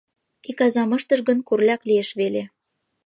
Ик азам ыштыш гын, курляк лиеш веле.